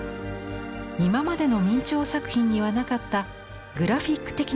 今までの明兆作品にはなかったグラフィック的な線です。